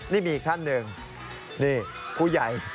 นี่มีอีกท่านหนึ่งนี่ผู้ใหญ่